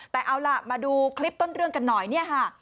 แต่เอาล่ะมาดูคลิปต้นเรื่องกันหน่อยเนี่ยค่ะ